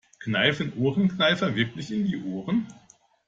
Kneifen Ohrenkneifer wirklich in die Ohren?